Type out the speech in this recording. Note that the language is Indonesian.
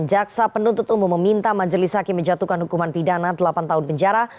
jaksa penuntut umum meminta majelis hakim menjatuhkan hukuman pidana delapan tahun penjara